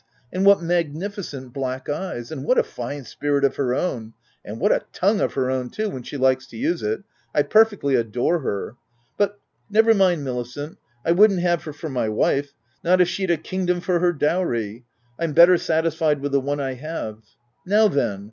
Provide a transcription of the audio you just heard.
and what magnificent black eyes ; and what a fine spirit of her own ;— and what a tongue of her own, too, when she likes to use it — I perfectly adore her !— But never mind, Milicent ; I would'nt have her for my wife— not if sheM a kingdom for her dowry ! I'm better satisfied with the one I have. — Now then